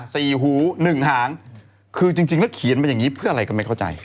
สี่หูหนึ่งหางคือจริงจริงแล้วเขียนมาอย่างงี้เพื่ออะไรก็ไม่เข้าใจ